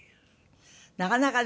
なかなかね